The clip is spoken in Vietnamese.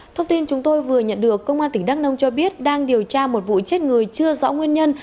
thông tin chúng tôi vừa nhận được công an tỉnh đắk nông cho biết đang điều tra một vụ chết người chưa rõ nguyên nhân